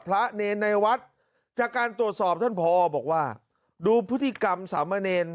พระเนรในวัดจากการตรวจสอบท่านพอบอกว่าดูพฤติกรรมสามเณร